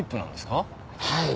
はい。